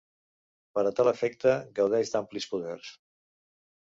Per a tal efecte, gaudeix d'amplis poders.